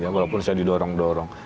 walaupun saya didorong dorong